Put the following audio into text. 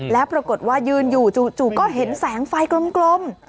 แล้วปรากฏว่ายืนอยู่จู่ก็เห็นแสงไฟกลม